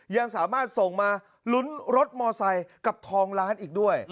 ยังสามารถส่งมาลุ้นรถมอไซค์กับทองล้านอีกด้วย